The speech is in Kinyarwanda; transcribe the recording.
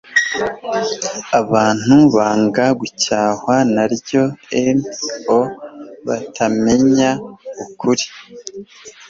abantu banga gucyahwa na ryo n;o batamenya ukuri.